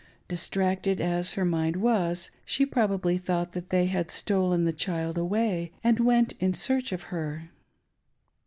Distracted as her mind was, she probably thought that they had stolen the child away, and went in search of her.